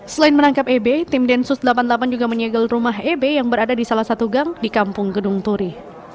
selain menangkap eb tim densus delapan puluh delapan juga menyegel rumah eb yang berada di salah satu gang di kampung gedung turi